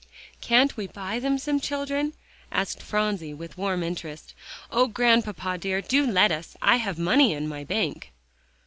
"Can't we buy them some children?" asked Phronsie with warm interest. "Oh, Grandpapa dear, do let us; I have money in my bank."